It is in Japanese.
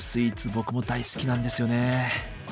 僕も大好きなんですよね。